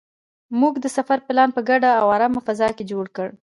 موږ د سفر پلان په ګډه او ارامه فضا کې جوړ کړ.